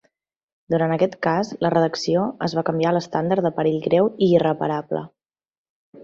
Durant aquest cas, la redacció es va canviar a l'estàndard de perill greu i irreparable.